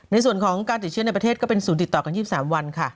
ในส่วนของการติดเชื้อในประเทศก็เป็นศูนย์ติดต่อกัน๒๓วันค่ะ